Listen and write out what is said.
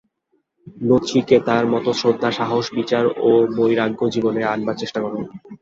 নচিকেতার মত শ্রদ্ধা সাহস বিচার ও বৈরাগ্য জীবনে আনবার চেষ্টা কর্।